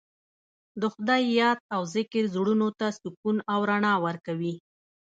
د خدای یاد او ذکر زړونو ته سکون او رڼا ورکوي.